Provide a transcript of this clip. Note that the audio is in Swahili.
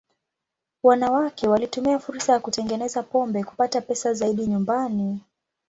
Wanawake walitumia fursa ya kutengeneza pombe kupata pesa zaidi nyumbani.